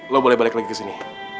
lo boleh balik lagi kesini